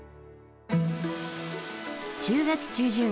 １０月中旬